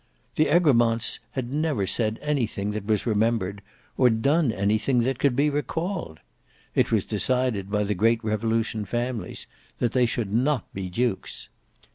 The Egremonts had never said anything that was remembered, or done anything that could be recalled. It was decided by the Great Revolution families, that they should not be dukes.